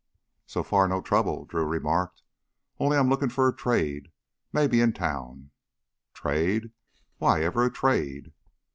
"So far no trouble," Drew remarked. "Only I'm lookin' for a trade maybe in town." "Trade? Why ever a trade?"